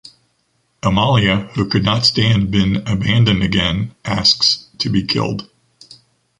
Amalia, who could not stand been abandoned again, asks to be killed.